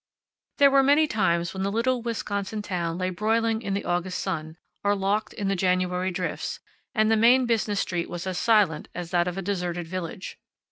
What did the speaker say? There were many times when the little Wisconsin town lay broiling in the August sun, or locked in the January drifts, and the main business street was as silent as that of a deserted village.